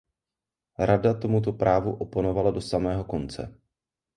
Rada tomuto právu oponovala do samého konce.